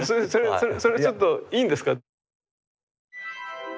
それちょっといいんですか？